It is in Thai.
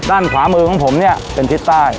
ด้านขวามือของผมเนี่ยเป็นทิศใต้